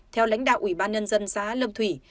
theo lãnh đạo ủy ban nhân dân xã lâm thủy